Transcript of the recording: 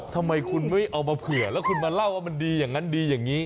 ทำไมคุณไม่เอามาเผื่อแล้วคุณมาเล่าว่ามันดีอย่างนั้นดีอย่างนี้